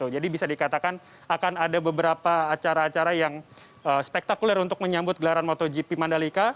jadi bisa dikatakan akan ada beberapa acara acara yang spektakuler untuk menyambut gelaran motogp mandalika